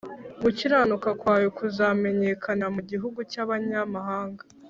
Gukiranuka kwawe kuzamenyekanira mu gihugu cy’abanyamahanga